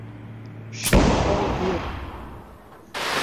Шем пыл вӱр